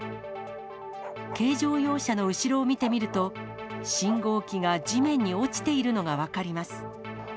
軽乗用車の後ろを見てみると、信号機が地面に落ちているのが分かります。